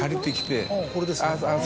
これですね。